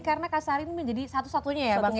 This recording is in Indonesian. karena kak sari menjadi satu satunya ya bang ya